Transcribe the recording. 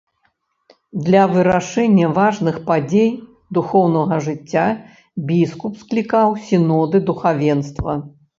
Для вырашэння важных падзей духоўнага жыцця біскуп склікаў сіноды духавенства.